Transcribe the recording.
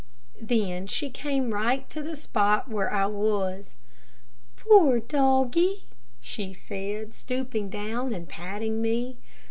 Then she came right to the spot where I was. "Poor doggie," she said, stooping down and patting me.